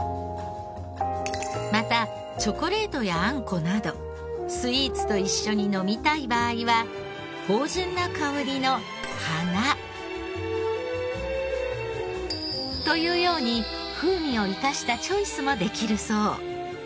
またチョコレートやあんこなどスイーツと一緒に飲みたい場合は芳醇な香りの花。というように風味を生かしたチョイスもできるそう。